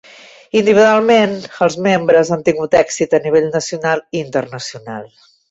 Individualment, els membres han tingut èxit a nivell nacional i internacional.